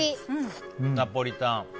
ナポリタン。